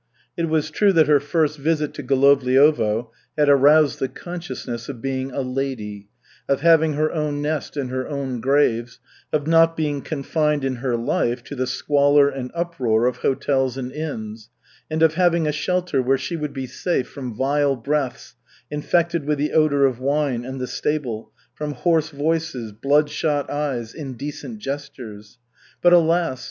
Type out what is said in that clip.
It was true that her first visit to Golovliovo had aroused the consciousness of being a "lady," of having her own nest and her own graves, of not being confined in her life to the squalor and uproar of hotels and inns, and of having a shelter where she would be safe from vile breaths infected with the odor of wine and the stable, from hoarse voices, bloodshot eyes, indecent gestures. But alas!